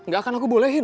gak akan aku bolehin